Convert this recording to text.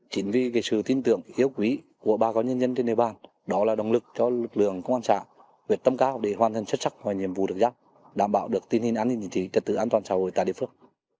chính vì sự tin tưởng hiếu quý của ba con nhân dân trên địa bàn đó là động lực cho lực lượng công an xã việt tâm cao để hoàn thành xuất sắc và nhiệm vụ được giáp đảm bảo được tình hình an ninh trật tự an toàn xã hội tại địa phương